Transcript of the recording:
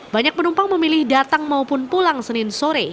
banyak penumpang memilih datang maupun pulang senin sore